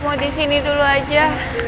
mau disini dulu aja